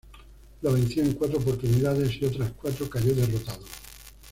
Lo venció en cuatro oportunidades y otras cuatro cayó derrotado.